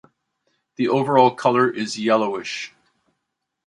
The overall color is yellowish.